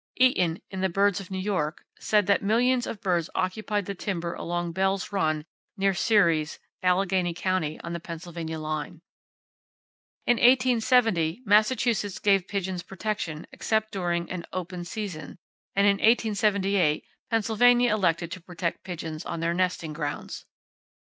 Eaton, in "The Birds of New York," said that "millions of birds occupied the timber along Bell's Run, near Ceres, Alleghany County, on the Pennsylvania line." In 1870, Massachusetts gave pigeons protection except during an "open season," and in 1878 Pennsylvania elected to protect pigeons on their nesting grounds.